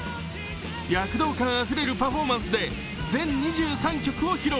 躍動感あふれるパフォーマンスで全２３曲を披露。